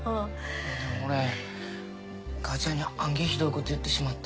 でも俺母ちゃんにあんげひどいこと言ってしまって。